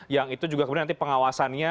yang itu juga kemudian nanti pengawasannya